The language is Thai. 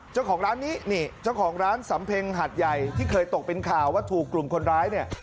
เจ้าของร้านนี้นี่เจ้าของร้านสำเพ็งหัดใหญ่ที่เคยตกเป็นข่าวว่าถูกกลุ่มคนร้ายเนี่ย